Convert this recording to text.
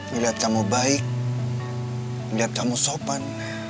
ngeliat kamu baik ngeliat kamu sopan